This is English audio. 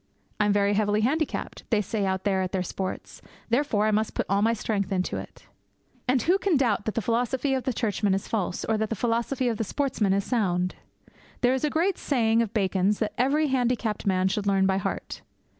'I am very heavily handicapped,' they say out there at their sports, 'therefore I must put all my strength into it!' And who can doubt that the philosophy of the Churchmen is false, or that the philosophy of the sportsmen is sound? There is a great saying of Bacon's that every handicapped man should learn by heart.